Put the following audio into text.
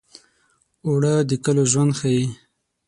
اوړه د کلو ژوند ښيي